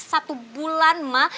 satu bulan ma